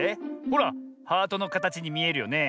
ほらハートのかたちにみえるよね。